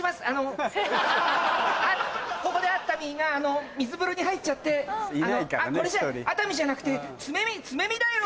ここでアッタミーが水風呂に入っちゃってこれじゃ熱海じゃなくて冷海だよ！